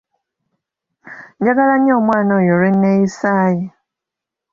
Njagala nnyo omwana oyo olw'enneeyisa ye.